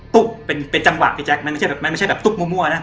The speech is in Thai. ตุ๊กเป็นเป็นจังหวะพี่แจ๊คมันไม่ใช่แบบมันไม่ใช่แบบตุ๊กมั่วมั่วน่ะ